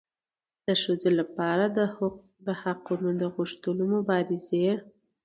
د ښځو لپاره د حقونو د غوښتلو مبارزې